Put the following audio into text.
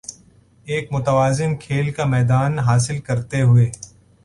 ایک متوازن کھیل کا میدان حاصل کرتے ہوے